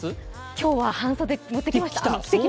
今日は半袖着てきました。